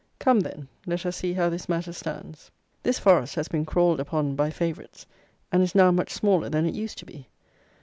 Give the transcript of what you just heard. Come, then, let us see how this matter stands. This Forest has been crawled upon by favourites, and is now much smaller than it used to be.